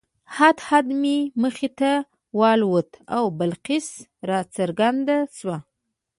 هدهد مې مخې ته والوت او بلقیس راڅرګنده شوه.